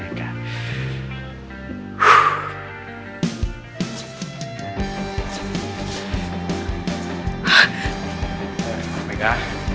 eh erlebt nah mereka